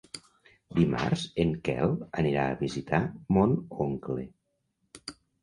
Dimarts en Quel anirà a visitar mon oncle.